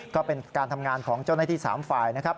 ก็เป็นการทำงานของเจ้าหน้าที่๓ฝ่ายนะครับ